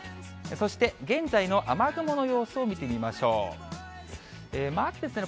そして、現在の雨雲の様子を見てみましょう。